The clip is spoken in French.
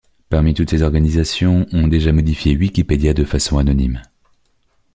Parmi toutes ces organisations, ont déjà modifié Wikipédia de façon anonyme.